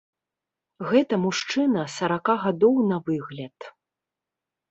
Гэта мужчына сарака гадоў на выгляд.